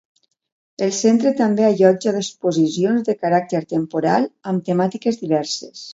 El centre també allotja exposicions de caràcter temporal amb temàtiques diverses.